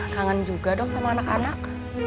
kangen juga dok sama anak anak